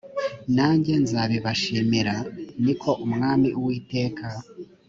nanjye nzabibashimira ni ko umwami uwiteka